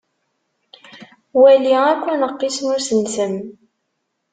Wali akk aneqqis n usentem.